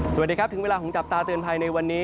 สวัสดีครับถึงเวลาของจับตาเตือนภัยในวันนี้